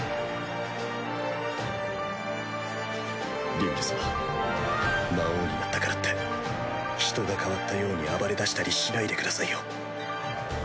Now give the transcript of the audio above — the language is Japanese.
リムル様魔王になったからって人が変わったように暴れだしたりしないでくださいよ